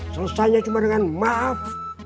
selesainya cuma dengan maaf